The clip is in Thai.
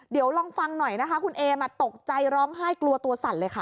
เดี๋ยวลองฟังหน่อยนะคะคุณเอมตกใจร้องไห้กลัวตัวสั่นเลยค่ะ